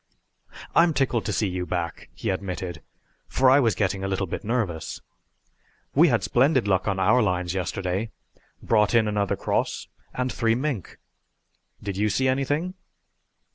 "I'm tickled to see you back," he admitted, "for I was getting a little bit nervous. We had splendid luck on our lines yesterday. Brought in another 'cross' and three mink. Did you see anything?"